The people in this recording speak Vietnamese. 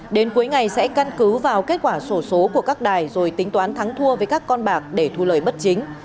đến cuối ngày sẽ căn cứ vào kết quả sổ số của các đài rồi tính toán thắng thua với các con bạc để thu lời bất chính